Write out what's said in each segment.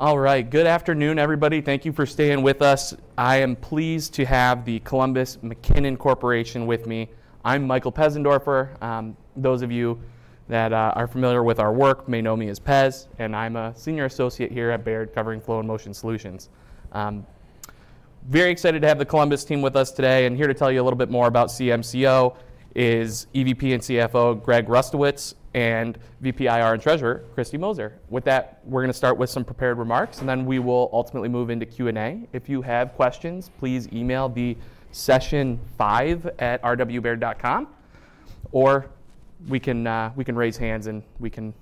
All right, good afternoon, everybody. Thank you for staying with us. I am pleased to have the Columbus McKinnon Corporation with me. I'm Michael Pesendorfer. Those of you that are familiar with our work may know me as Pez, and I'm a senior associate here at Baird, covering flow and motion solutions. Very excited to have the Columbus team with us today. And here to tell you a little bit more about CMCO is EVP and CFO Greg Rustowicz and VP IR and Treasurer Kristy Moser. With that, we're going to start with some prepared remarks, and then we will ultimately move into Q&A. If you have questions, please email the session5@rwbaird.com, or we can raise hands and we can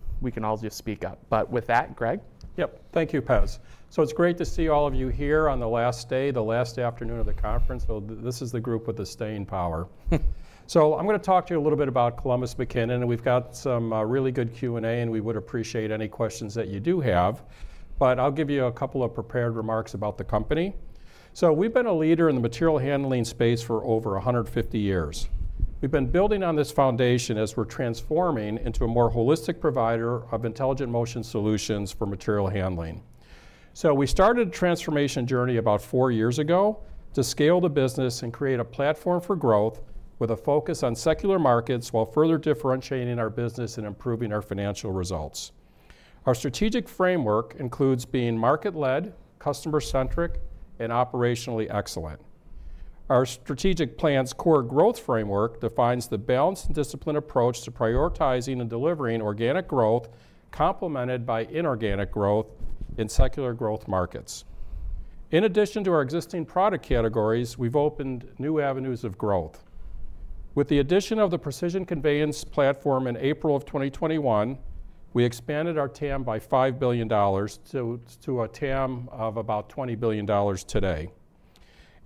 all just speak up. But with that, Greg. Yep, thank you, Pez. So it's great to see all of you here on the last day, the last afternoon of the conference. This is the group with the staying power. So I'm going to talk to you a little bit about Columbus McKinnon. We've got some really good Q&A, and we would appreciate any questions that you do have. But I'll give you a couple of prepared remarks about the company. So we've been a leader in the material handling space for over 150 years. We've been building on this foundation as we're transforming into a more holistic provider of intelligent motion solutions for material handling. So we started a transformation journey about four years ago to scale the business and create a platform for growth with a focus on secular markets while further differentiating our business and improving our financial results. Our strategic framework includes being market-led, customer-centric, and operationally excellent. Our strategic plans' core growth framework defines the balanced and disciplined approach to prioritizing and delivering organic growth complemented by inorganic growth in secular growth markets. In addition to our existing product categories, we've opened new avenues of growth. With the addition of the Precision Conveyance platform in April of 2021, we expanded our TAM by $5 billion to a TAM of about $20 billion today,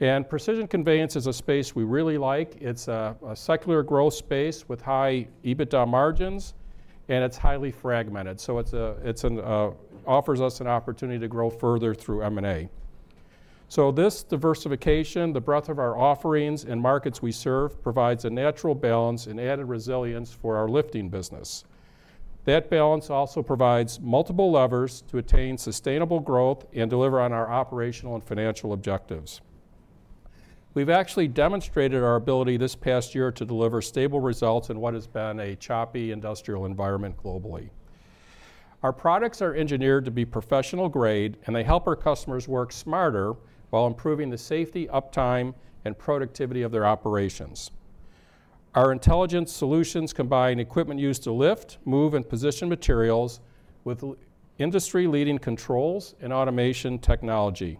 and Precision Conveyance is a space we really like. It's a secular growth space with high EBITDA margins, and it's highly fragmented, so it offers us an opportunity to grow further through M&A, so this diversification, the breadth of our offerings and markets we serve, provides a natural balance and added resilience for our lifting business. That balance also provides multiple levers to attain sustainable growth and deliver on our operational and financial objectives. We've actually demonstrated our ability this past year to deliver stable results in what has been a choppy industrial environment globally. Our products are engineered to be professional grade, and they help our customers work smarter while improving the safety, uptime, and productivity of their operations. Our intelligence solutions combine equipment used to lift, move, and position materials with industry-leading controls and automation technology.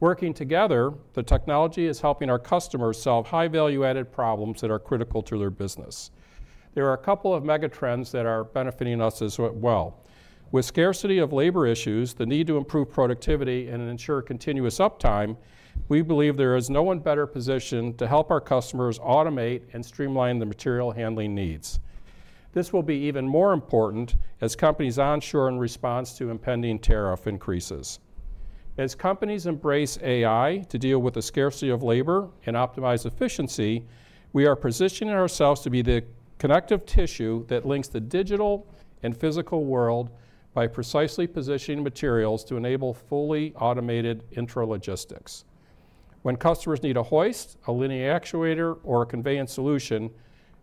Working together, the technology is helping our customers solve high-value-added problems that are critical to their business. There are a couple of mega trends that are benefiting us as well. With scarcity of labor issues, the need to improve productivity, and ensure continuous uptime, we believe there is no one better positioned to help our customers automate and streamline the material handling needs. This will be even more important as companies onshore in response to impending tariff increases. As companies embrace AI to deal with the scarcity of labor and optimize efficiency, we are positioning ourselves to be the connective tissue that links the digital and physical world by precisely positioning materials to enable fully automated intralogistics. When customers need a hoist, a linear actuator, or a conveyance solution,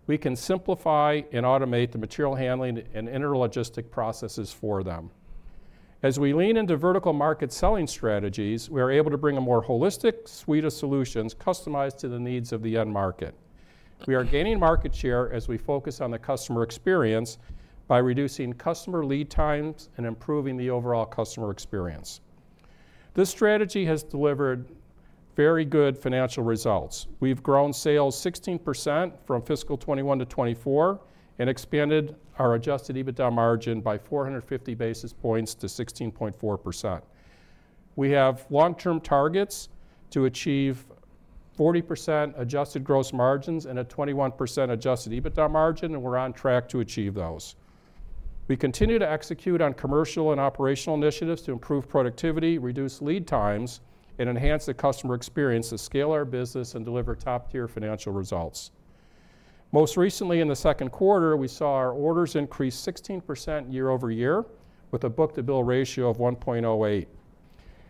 we can simplify and automate the material handling and intralogistic processes for them. As we lean into vertical market selling strategies, we are able to bring a more holistic suite of solutions customized to the needs of the end market. We are gaining market share as we focus on the customer experience by reducing customer lead times and improving the overall customer experience. This strategy has delivered very good financial results. We've grown sales 16% from fiscal 2021 to 2024 and expanded our adjusted EBITDA margin by 450 basis points to 16.4%. We have long-term targets to achieve 40% adjusted gross margins and a 21% adjusted EBITDA margin, and we're on track to achieve those. We continue to execute on commercial and operational initiatives to improve productivity, reduce lead times, and enhance the customer experience to scale our business and deliver top-tier financial results. Most recently, in the second quarter, we saw our orders increase 16% year over year with a book-to-bill ratio of 1.08,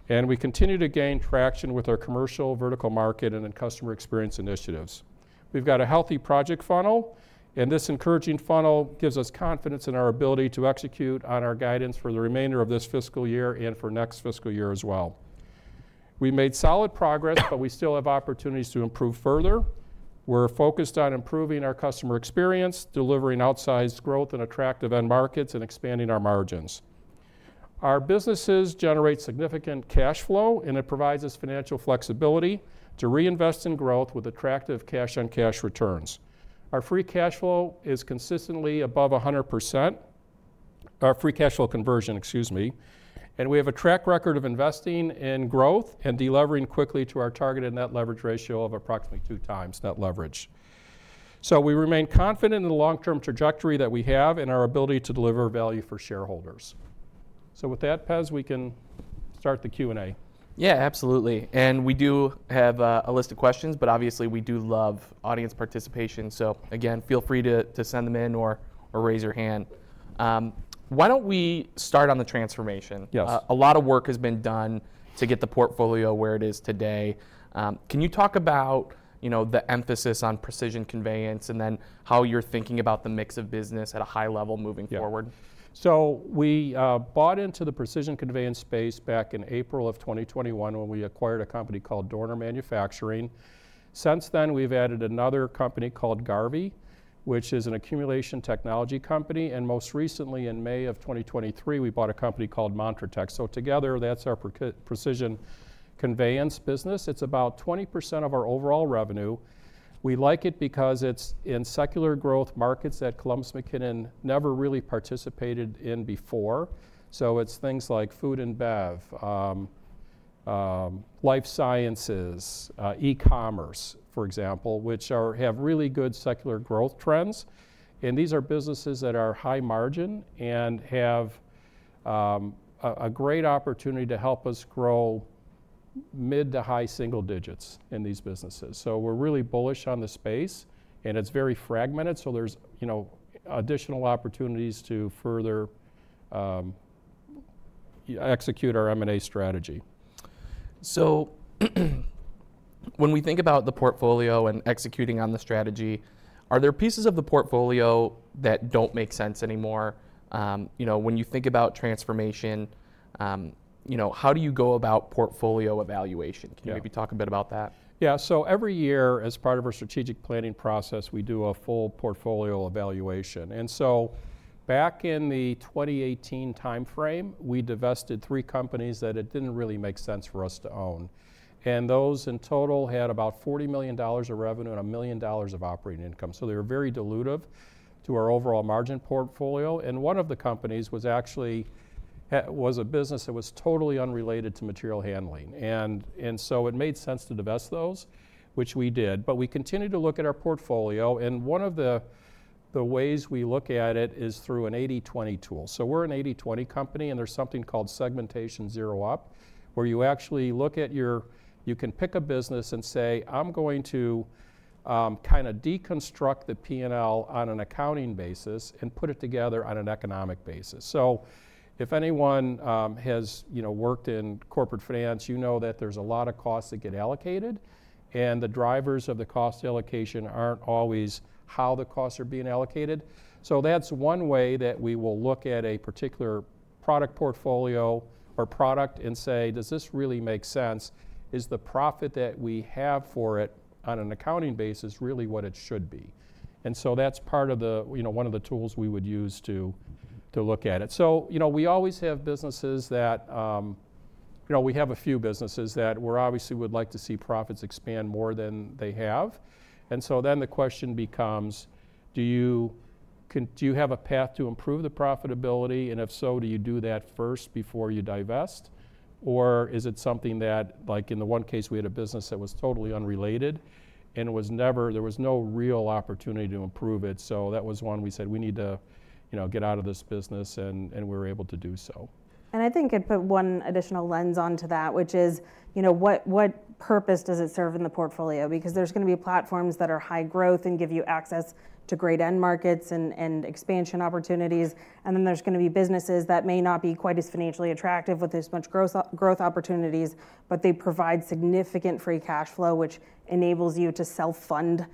and we continue to gain traction with our commercial, vertical market, and customer experience initiatives. We've got a healthy project funnel, and this encouraging funnel gives us confidence in our ability to execute on our guidance for the remainder of this fiscal year and for next fiscal year as well. We've made solid progress, but we still have opportunities to improve further. We're focused on improving our customer experience, delivering outsized growth in attractive end markets, and expanding our margins. Our businesses generate significant cash flow, and it provides us financial flexibility to reinvest in growth with attractive cash-on-cash returns. Our free cash flow is consistently above 100%. Our free cash flow conversion, excuse me. And we have a track record of investing in growth and delivering quickly to our targeted net leverage ratio of approximately two times net leverage. So we remain confident in the long-term trajectory that we have and our ability to deliver value for shareholders. So with that, Pez, we can start the Q&A. Yeah, absolutely. And we do have a list of questions, but obviously, we do love audience participation. So again, feel free to send them in or raise your hand. Why don't we start on the transformation? Yes. A lot of work has been done to get the portfolio where it is today. Can you talk about the emphasis on Precision Conveyance and then how you're thinking about the mix of business at a high level moving forward? We bought into the Precision Conveyance space back in April of 2021 when we acquired a company called Dorner Manufacturing. Since then, we've added another company called Garvey, which is an accumulation technology company. Most recently, in May of 2023, we bought a company called Montratec. Together, that's our Precision Conveyance business. It's about 20% of our overall revenue. We like it because it's in secular growth markets that Columbus McKinnon never really participated in before. It's things like food and bev, life sciences, e-commerce, for example, which have really good secular growth trends. These are businesses that are high margin and have a great opportunity to help us grow mid to high single-digits in these businesses. We're really bullish on the space, and it's very fragmented. There's additional opportunities to further execute our M&A strategy. So when we think about the portfolio and executing on the strategy, are there pieces of the portfolio that don't make sense anymore? When you think about transformation, how do you go about portfolio evaluation? Can you maybe talk a bit about that? Yeah. So every year, as part of our strategic planning process, we do a full portfolio evaluation. And so back in the 2018 timeframe, we divested three companies that it didn't really make sense for us to own. And those in total had about $40 million of revenue and $1 million of operating income. So they were very dilutive to our overall margin portfolio. And one of the companies was actually a business that was totally unrelated to material handling. And so it made sense to divest those, which we did. But we continue to look at our portfolio. And one of the ways we look at it is through an 80/20 tool. So we're an 80/20 company, and there's something called Segmentation Zero Up, where you actually look at your, you can pick a business and say, "I'm going to kind of deconstruct the P&L on an accounting basis and put it together on an economic basis." So if anyone has worked in corporate finance, you know that there's a lot of costs that get allocated, and the drivers of the cost allocation aren't always how the costs are being allocated. So that's one way that we will look at a particular product portfolio or product and say, "Does this really make sense? Is the profit that we have for it on an accounting basis really what it should be?" And so that's part of one of the tools we would use to look at it. We always have a few businesses that we obviously would like to see profits expand more than they have. And so then the question becomes, do you have a path to improve the profitability? And if so, do you do that first before you divest? Or is it something that, like in the one case, we had a business that was totally unrelated, and there was no real opportunity to improve it. So that was one we said, "We need to get out of this business," and we were able to do so. I think I'd put one additional lens onto that, which is, what purpose does it serve in the portfolio? Because there's going to be platforms that are high growth and give you access to great end markets and expansion opportunities. And then there's going to be businesses that may not be quite as financially attractive with as much growth opportunities, but they provide significant free cash flow, which enables you to self-fund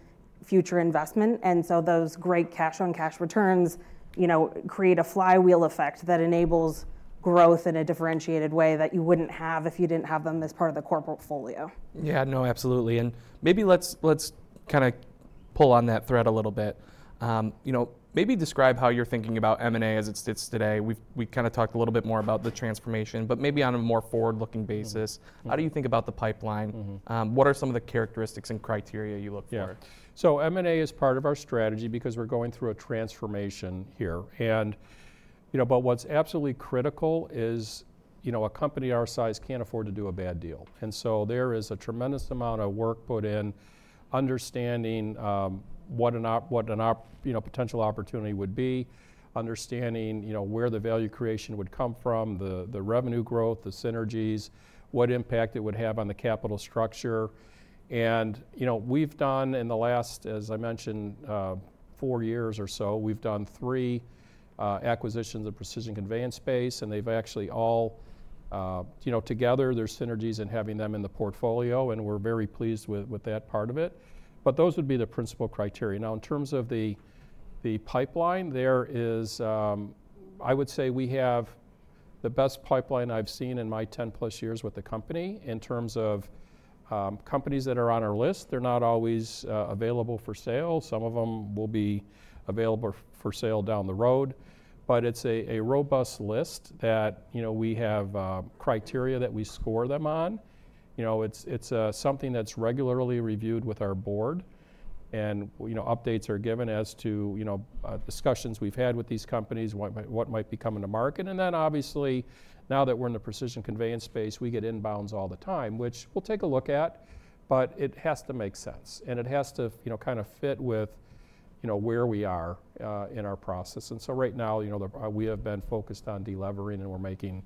future investment. And so those great cash-on-cash returns create a flywheel effect that enables growth in a differentiated way that you wouldn't have if you didn't have them as part of the core portfolio. Yeah, no, absolutely. And maybe let's kind of pull on that thread a little bit. Maybe describe how you're thinking about M&A as it sits today. We've kind of talked a little bit more about the transformation, but maybe on a more forward-looking basis. How do you think about the pipeline? What are some of the characteristics and criteria you look for? So M&A is part of our strategy because we're going through a transformation here. But what's absolutely critical is a company our size can't afford to do a bad deal. And so there is a tremendous amount of work put in understanding what a potential opportunity would be, understanding where the value creation would come from, the revenue growth, the synergies, what impact it would have on the capital structure. And we've done in the last, as I mentioned, four years or so, we've done three acquisitions of Precision Conveyance space, and they've actually all together, there's synergies in having them in the portfolio, and we're very pleased with that part of it. But those would be the principal criteria. Now, in terms of the pipeline, there is, I would say we have the best pipeline I've seen in my 10-plus years with the company in terms of companies that are on our list. They're not always available for sale. Some of them will be available for sale down the road. But it's a robust list that we have criteria that we score them on. It's something that's regularly reviewed with our board, and updates are given as to discussions we've had with these companies, what might be coming to market, and then obviously, now that we're in the Precision Conveyance space, we get inbounds all the time, which we'll take a look at, but it has to make sense, and it has to kind of fit with where we are in our process. And so right now, we have been focused on delivering, and we're making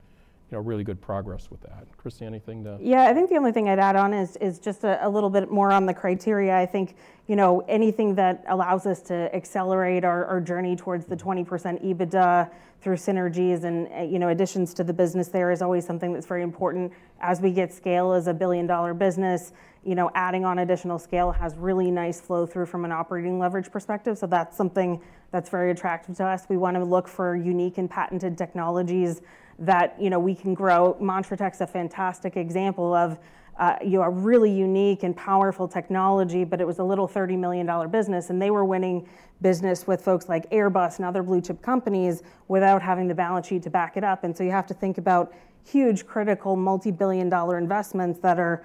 really good progress with that. Kristy, anything to? Yeah, I think the only thing I'd add on is just a little bit more on the criteria. I think anything that allows us to accelerate our journey towards the 20% EBITDA through synergies and additions to the business there is always something that's very important. As we get scale as a billion-dollar business, adding on additional scale has really nice flow-through from an operating leverage perspective. So that's something that's very attractive to us. We want to look for unique and patented technologies that we can grow. Montratec is a fantastic example of a really unique and powerful technology, but it was a little $30 million business, and they were winning business with folks like Airbus and other blue-chip companies without having the balance sheet to back it up. And so you have to think about huge critical multi-billion-dollar investments that are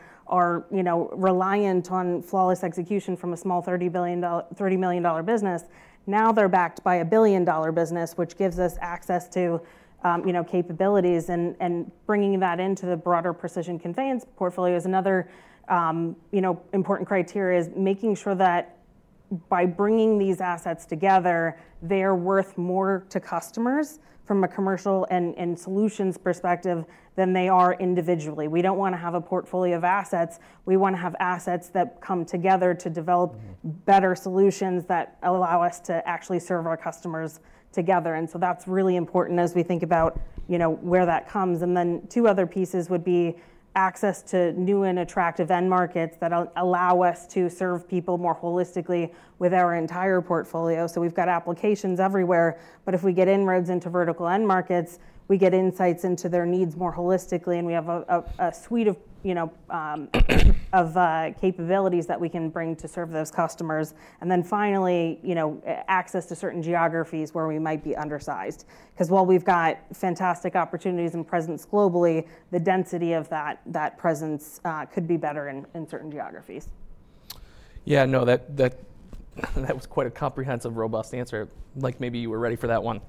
reliant on flawless execution from a small $30 million business. Now they're backed by a billion-dollar business, which gives us access to capabilities. And bringing that into the broader Precision Conveyance portfolio is another important criteria, is making sure that by bringing these assets together, they're worth more to customers from a commercial and solutions perspective than they are individually. We don't want to have a portfolio of assets. We want to have assets that come together to develop better solutions that allow us to actually serve our customers together. And so that's really important as we think about where that comes. And then two other pieces would be access to new and attractive end markets that allow us to serve people more holistically with our entire portfolio. We've got applications everywhere, but if we get inroads into vertical end markets, we get insights into their needs more holistically, and we have a suite of capabilities that we can bring to serve those customers. Finally, access to certain geographies where we might be undersized. Because while we've got fantastic opportunities and presence globally, the density of that presence could be better in certain geographies. Yeah, no, that was quite a comprehensive, robust answer. Like maybe you were ready for that one.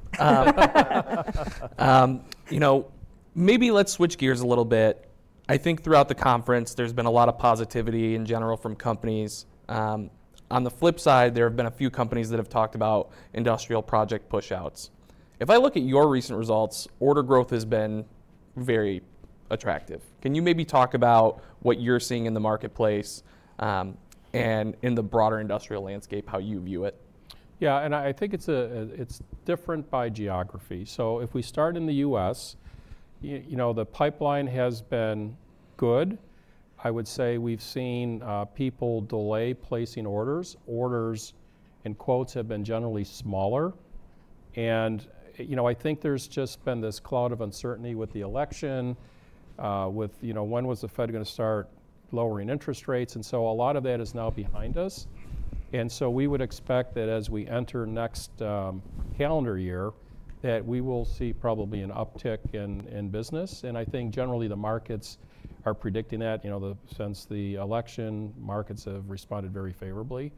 You know, maybe let's switch gears a little bit. I think throughout the conference, there's been a lot of positivity in general from companies. On the flip side, there have been a few companies that have talked about industrial project push-outs. If I look at your recent results, order growth has been very attractive. Can you maybe talk about what you're seeing in the marketplace and in the broader industrial landscape, how you view it? Yeah, and I think it's different by geography. So if we start in the U.S., the pipeline has been good. I would say we've seen people delay placing orders. Orders and quotes have been generally smaller. And I think there's just been this cloud of uncertainty with the election, with when was the Fed going to start lowering interest rates. And so a lot of that is now behind us. And so we would expect that as we enter next calendar year, that we will see probably an uptick in business. And I think generally the markets are predicting that since the election, markets have responded very favorably.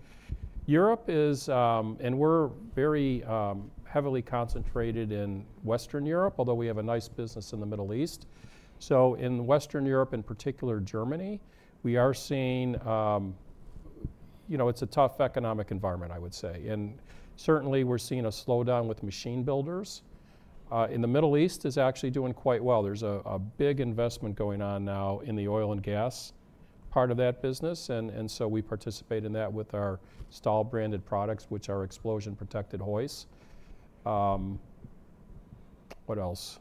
Europe is, and we're very heavily concentrated in Western Europe, although we have a nice business in the Middle East. So in Western Europe, in particular Germany, we are seeing, it's a tough economic environment, I would say. Certainly, we're seeing a slowdown with machine builders. In the Middle East, it's actually doing quite well. There's a big investment going on now in the oil and gas part of that business. And so we participate in that with our Stahl branded products, which are explosion-protected hoists. What else?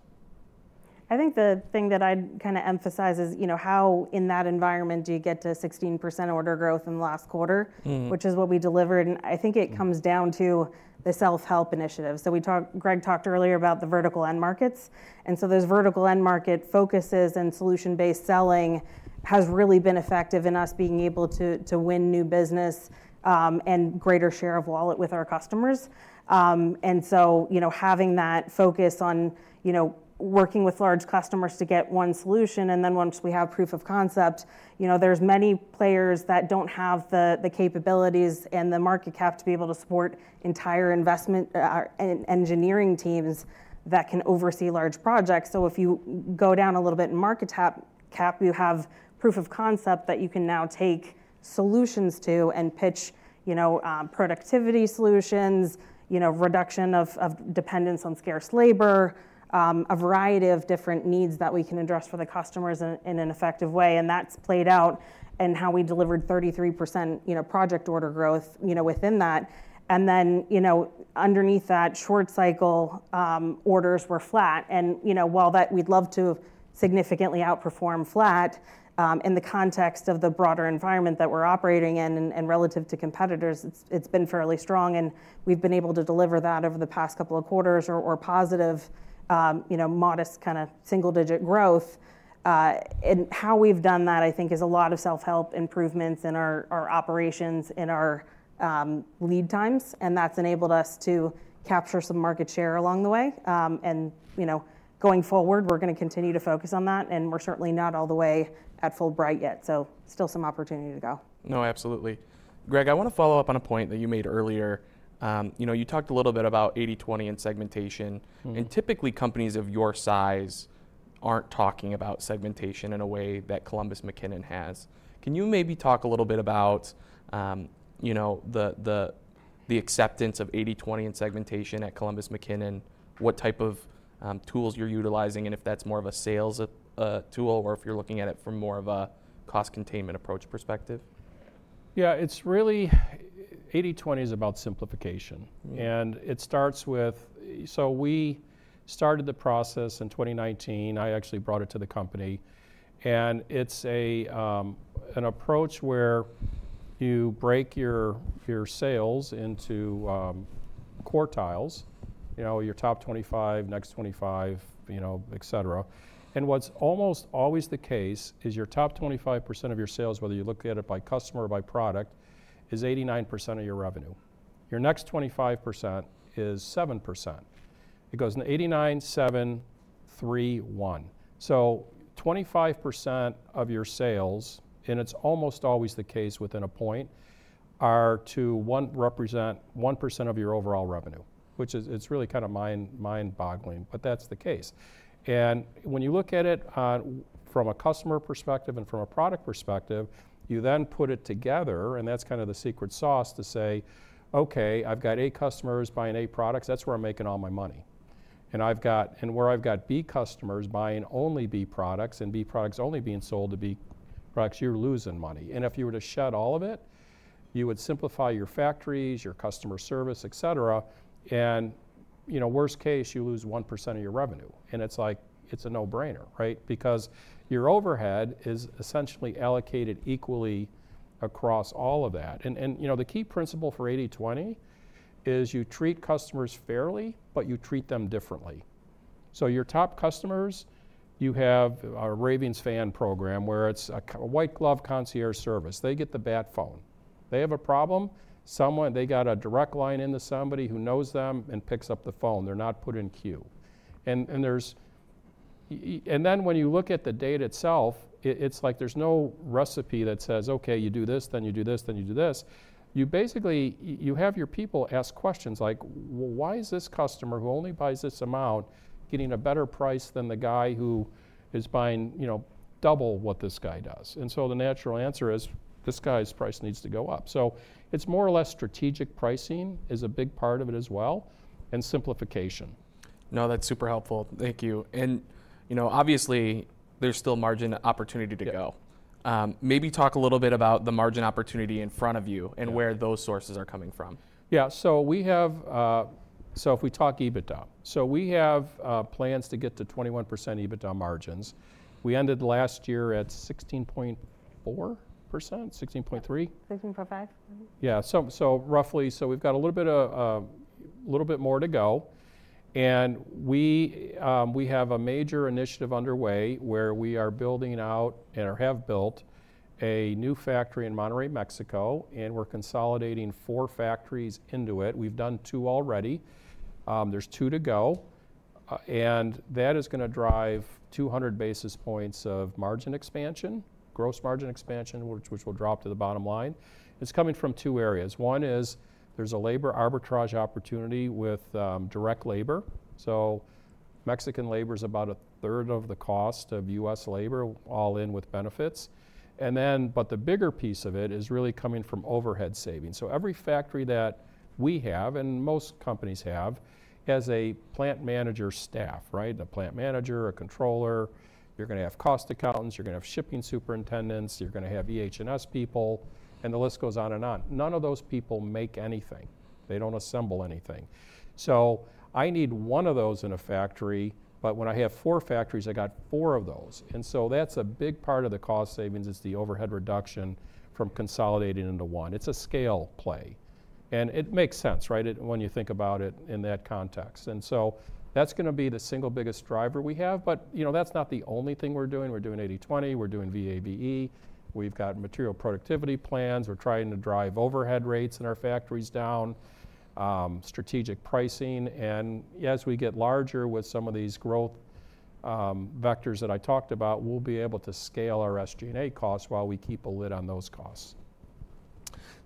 I think the thing that I'd kind of emphasize is how in that environment do you get to 16% order growth in the last quarter, which is what we delivered. And I think it comes down to the self-help initiative. So Greg talked earlier about the vertical end markets. And so those vertical end market focuses and solution-based selling has really been effective in us being able to win new business and greater share of wallet with our customers. And so having that focus on working with large customers to get one solution, and then once we have proof of concept, there's many players that don't have the capabilities and the market cap to be able to support entire investment engineering teams that can oversee large projects. If you go down a little bit in market cap, you have proof of concept that you can now take solutions to and pitch productivity solutions, reduction of dependence on scarce labor, a variety of different needs that we can address for the customers in an effective way. That's played out in how we delivered 33% project order growth within that. Underneath that, short cycle orders were flat. While that, we'd love to significantly outperform flat in the context of the broader environment that we're operating in and relative to competitors, it's been fairly strong. We've been able to deliver that over the past couple of quarters or positive, modest kind of single-digit growth. How we've done that, I think, is a lot of self-help improvements in our operations, in our lead times. And that's enabled us to capture some market share along the way. And going forward, we're going to continue to focus on that. And we're certainly not all the way at full bright yet. So still some opportunity to go. No, absolutely. Greg, I want to follow up on a point that you made earlier. You talked a little bit about 80/20 and segmentation. And typically, companies of your size aren't talking about segmentation in a way that Columbus McKinnon has. Can you maybe talk a little bit about the acceptance of 80/20 and segmentation at Columbus McKinnon? What type of tools you're utilizing and if that's more of a sales tool or if you're looking at it from more of a cost containment approach perspective? Yeah, it's really 80/20 is about simplification, and it starts with, so we started the process in 2019. I actually brought it to the company, and it's an approach where you break your sales into quartiles, your top 25, next 25, et cetera. And what's almost always the case is your top 25% of your sales, whether you look at it by customer or by product, is 89% of your revenue. Your next 25% is 7%. It goes in 89%, 7%, 3%, 1%. So 25% of your sales, and it's almost always the case within a point, are to represent 1% of your overall revenue, which is really kind of mind-boggling, but that's the case. And when you look at it from a customer perspective and from a product perspective, you then put it together, and that's kind of the secret sauce to say, okay, I've got A customers buying A products, that's where I'm making all my money. And where I've got B customers buying only B products and B products only being sold to B products, you're losing money. And if you were to shut all of it, you would simplify your factories, your customer service, et cetera. And worst case, you lose 1% of your revenue. And it's like it's a no-brainer, right? Because your overhead is essentially allocated equally across all of that. And the key principle for 80/20 is you treat customers fairly, but you treat them differently. So your top customers, you have a Raving Fan program where it's a white glove concierge service. They get the Batphone. They have a problem, they got a direct line into somebody who knows them and picks up the phone. They're not put in queue, and then when you look at the data itself, it's like there's no recipe that says, okay, you do this, then you do this, then you do this. You basically have your people ask questions like, well, why is this customer who only buys this amount getting a better price than the guy who is buying double what this guy does? And so the natural answer is this guy's price needs to go up, so it's more or less strategic pricing is a big part of it as well and simplification. No, that's super helpful. Thank you. And obviously, there's still margin opportunity to go. Maybe talk a little bit about the margin opportunity in front of you and where those sources are coming from? Yeah, so if we talk EBITDA, we have plans to get to 21% EBITDA margins. We ended last year at 16.4%, 16.3%? 16.5%? Yeah, so roughly, so we've got a little bit more to go. We have a major initiative underway where we are building out and have built a new factory in Monterrey, Mexico, and we're consolidating four factories into it. We've done two already. There's two to go. That is going to drive 200 basis points of margin expansion, gross margin expansion, which will drop to the bottom line. It's coming from two areas. One is there's a labor arbitrage opportunity with direct labor. So Mexican labor is about a third of the cost of U.S. labor, all in with benefits. But the bigger piece of it is really coming from overhead savings. So every factory that we have, and most companies have, has a plant manager staff, right? A plant manager, a controller, you're going to have cost accountants, you're going to have shipping superintendents, you're going to have EH&S people, and the list goes on and on. None of those people make anything. They don't assemble anything. So I need one of those in a factory, but when I have four factories, I got four of those. And so that's a big part of the cost savings, is the overhead reduction from consolidating into one. It's a scale play. And it makes sense, right, when you think about it in that context. And so that's going to be the single biggest driver we have. But that's not the only thing we're doing. We're doing 80/20, we're doing VAVE, we've got material productivity plans, we're trying to drive overhead rates in our factories down, strategic pricing. As we get larger with some of these growth vectors that I talked about, we'll be able to scale our SG&A costs while we keep a lid on those costs.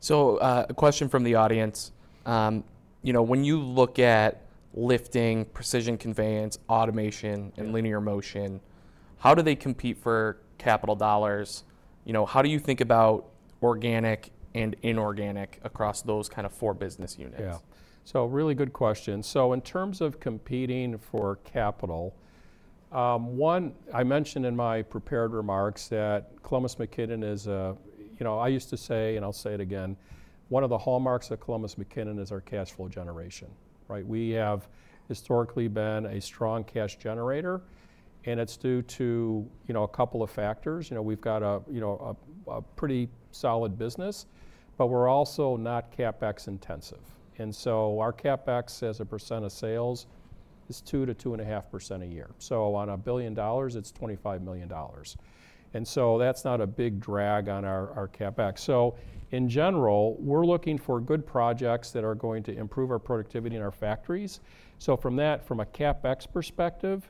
So a question from the audience. When you look at lifting, Precision Conveyance, automation, and linear motion, how do they compete for capital dollars? How do you think about organic and inorganic across those kind of four business units? Yeah, so really good question. So in terms of competing for capital, one, I mentioned in my prepared remarks that Columbus McKinnon is a, I used to say, and I'll say it again, one of the hallmarks of Columbus McKinnon is our cash flow generation, right? We have historically been a strong cash generator, and it's due to a couple of factors. We've got a pretty solid business, but we're also not CapEx intensive. And so our CapEx as a percent of sales is 2%-2.5% a year. So on $1 billion, it's $25 million. And so that's not a big drag on our CapEx. So in general, we're looking for good projects that are going to improve our productivity in our factories. So from a CapEx perspective,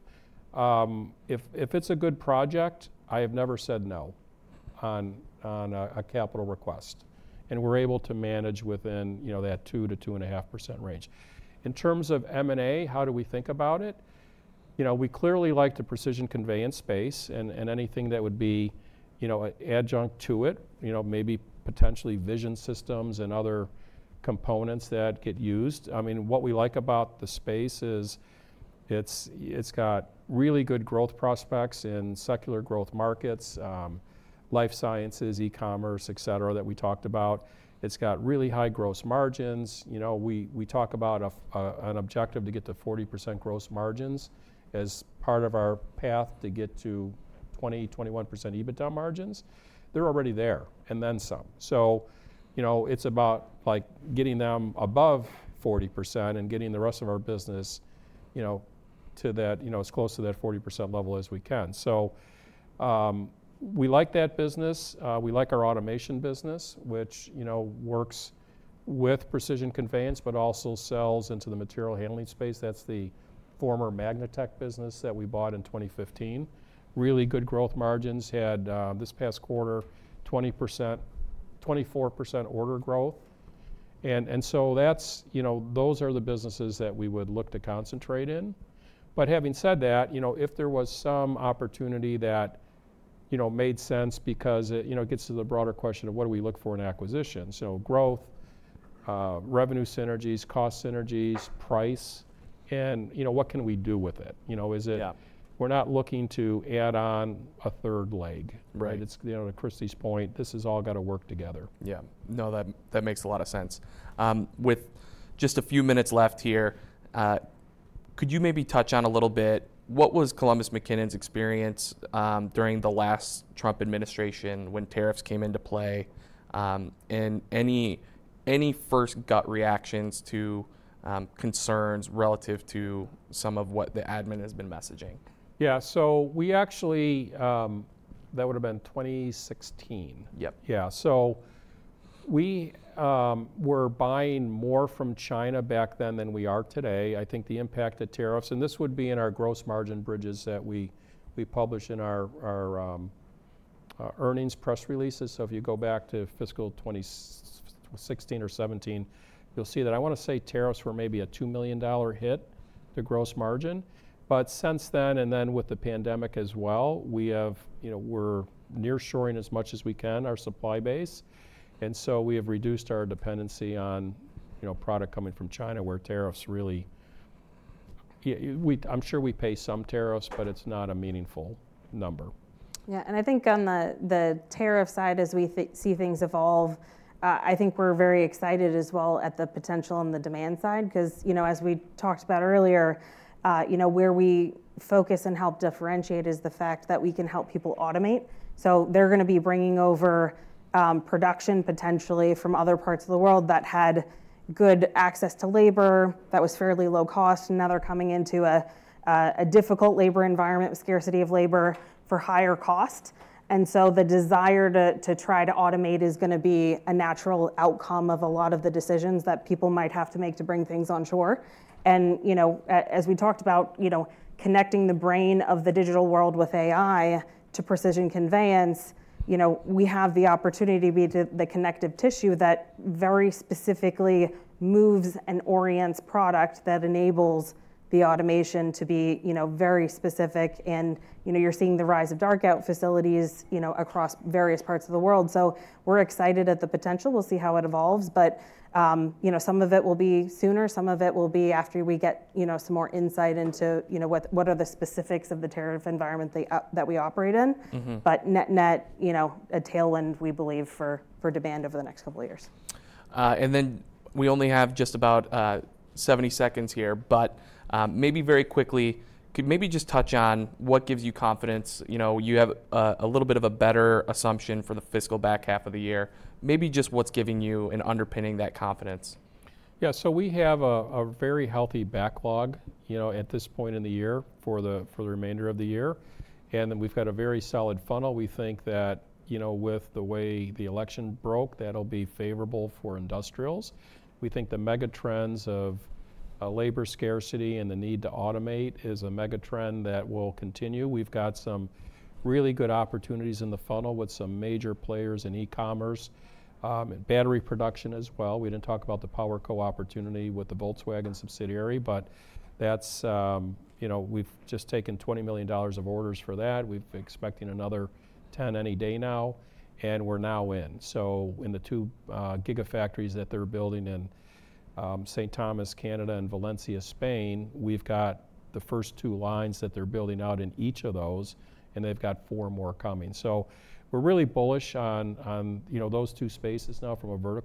if it's a good project, I have never said no on a capital request. We're able to manage within that 2%-2.5% range. In terms of M&A, how do we think about it? We clearly like the Precision Conveyance space and anything that would be adjunct to it, maybe potentially vision systems and other components that get used. I mean, what we like about the space is it's got really good growth prospects in secular growth markets, life sciences, e-commerce, et cetera, that we talked about. It's got really high gross margins. We talk about an objective to get to 40% gross margins as part of our path to get to 20%-21% EBITDA margins. They're already there and then some. So it's about getting them above 40% and getting the rest of our business to that, as close to that 40% level as we can. So we like that business. We like our automation business, which works with Precision Conveyance, but also sells into the material handling space. That's the former Magnetek business that we bought in 2015. Really good growth margins had this past quarter, 24% order growth, and so those are the businesses that we would look to concentrate in. But having said that, you know, if there was some opportunity that made sense because it gets to the broader question of what do we look for in acquisition, so growth, revenue synergies, cost synergies, price, and what can we do with it? We're not looking to add on a third leg, right? To Kristy's point, this has all got to work together. Yeah, know, that makes a lot of sense. With just a few minutes left here, could you maybe touch on a little bit? What was Columbus McKinnon's experience during the last Trump administration when tariffs came into play? And any first gut reactions to concerns relative to some of what the admin has been messaging? Yeah, so we actually, that would have been 2016. Yeah, so we were buying more from China back then than we are today. I think the impact of tariffs, and this would be in our gross margin bridges that we publish in our earnings press releases, so if you go back to fiscal 2016 or 2017, you'll see that I want to say tariffs were maybe a $2 million hit to gross margin, but since then, and then with the pandemic as well, we're nearshoring as much as we can our supply base. And so we have reduced our dependency on product coming from China where tariffs really, I'm sure we pay some tariffs, but it's not a meaningful number. Yeah, and I think on the tariff side, as we see things evolve, I think we're very excited as well at the potential on the demand side. Because as we talked about earlier, where we focus and help differentiate is the fact that we can help people automate. So they're going to be bringing over production potentially from other parts of the world that had good access to labor that was fairly low cost. Now they're coming into a difficult labor environment with scarcity of labor for higher cost. And so the desire to try to automate is going to be a natural outcome of a lot of the decisions that people might have to make to bring things on shore. As we talked about connecting the brain of the digital world with AI to Precision Conveyance, we have the opportunity to be the connective tissue that very specifically moves and orients product that enables the automation to be very specific. You're seeing the rise of dark-out facilities across various parts of the world. We're excited at the potential. We'll see how it evolves. Some of it will be sooner. Some of it will be after we get some more insight into what are the specifics of the tariff environment that we operate in. That net-net, you know the tailwind, we believe, for demand over the next couple of years. And then we only have just about 70 seconds here, but maybe very quickly, could maybe just touch on what gives you confidence? You have a little bit of a better assumption for the fiscal back half of the year. Maybe just what's giving you and underpinning that confidence? Yeah, so we have a very healthy backlog at this point in the year for the remainder of the year. And then we've got a very solid funnel. We think that with the way the election broke, that'll be favorable for industrials. We think the mega trends of labor scarcity and the need to automate is a mega trend that will continue. We've got some really good opportunities in the funnel with some major players in e-commerce, battery production as well. We didn't talk about the PowerCo opportunity with the Volkswagen subsidiary, but we've just taken $20 million of orders for that. We're expecting another $10 million any day now, and we're now in. So in the two gigafactories that they're building in St. Thomas, Canada, and Valencia, Spain, we've got the first two lines that they're building out in each of those, and they've got four more coming. We're really bullish on those two spaces now from a revenue.